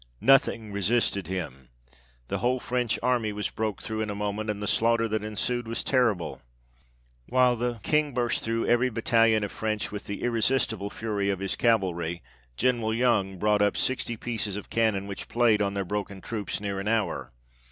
Nothing resisted him, the whole French army was broke through in a moment ; and the slaughter that ensued was terrible. While the King burst through every battalion of French, with the irresistable fury of his cavalry, General Young brought up sixty pieces of cannon, which played on their broken troops near an hour.